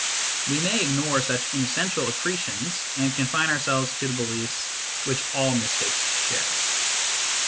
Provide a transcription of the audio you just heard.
We may ignore such inessential accretions, and confine ourselves to the beliefs which all mystics share.